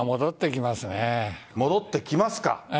戻ってきますか？